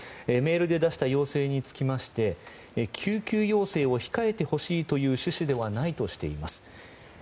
メールで出した要請につきまして救急要請を控えてほしいという趣旨ではないとしています。